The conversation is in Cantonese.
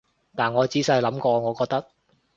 但我仔細諗過，我覺得